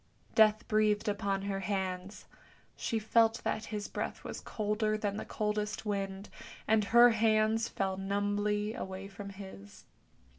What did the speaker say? Death breathed upon her hands; she felt that his breath was colder than the coldest wind, and her hands fell numbly away from his.